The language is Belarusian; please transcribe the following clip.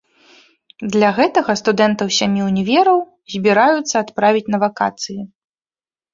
Для гэтага студэнтаў сямі ўнівераў збіраюцца адправіць на вакацыі.